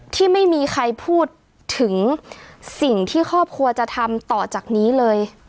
ที่ไม่มีใครพูดถึงสิ่งที่ครอบครัวจะทำต่อจากนี้เลย